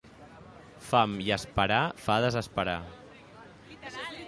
Fam i esperar fa desesperar.